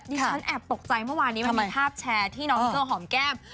ฉันแอบตกใจเมื่อวานนี้มันมีภาพแชร์ที่น้องนิเกอร์หอมแก้ม